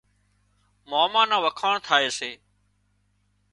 ماما نان وکاڻ ٿائي سي